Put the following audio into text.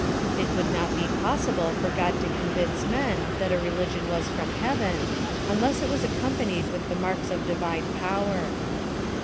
It would not be possible for God to convince men, that a religion vv^'ls from heaven, unless it was accompanied with the marks of divine power.